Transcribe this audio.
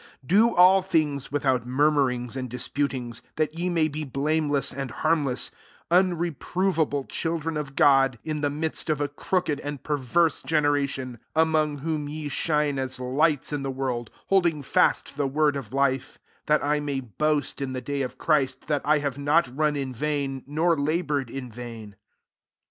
14 Do all things without murmurings and disputings ; 15 that ye may be blameless and harmless, unreproveable children of God, in the midst of a crooked and perverse generation, among whom ye shine as lights in the world, 16 holding fast the word of life; that I may boast in the day of Christ, that I have not run in vain, nor laboured in vain.